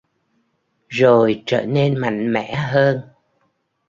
Rồi trở nên mạnh mẽ hơn